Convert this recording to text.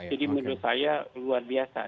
jadi menurut saya luar biasa